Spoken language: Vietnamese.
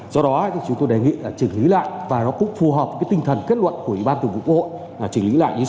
do đó chúng tôi đề nghị trình lý lại và nó cũng phù hợp với tinh thần kết luận của ủy ban tổng cụ cộng hội